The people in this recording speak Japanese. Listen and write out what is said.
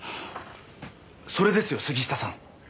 それですよ杉下さん。